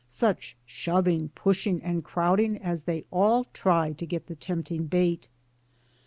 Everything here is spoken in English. Such shoving, pushing and crowding as they all try to get the tempt ing bait.